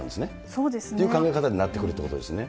そうですね。という考え方になってくるということですね。